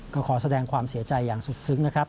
ก็ขอแสดงความเสียใจอย่างสุดซึ้งนะครับ